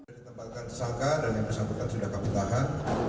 dari tempatkan tersangka dan yang disambutkan sudah kami tahan